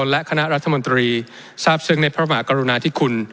และขนารัฐมนตรีทราบซึ่งในผรามากกรุณาที่คุณ